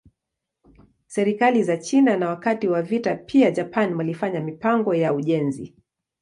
Serikali za China na wakati wa vita pia Japan walifanya mipango ya ujenzi.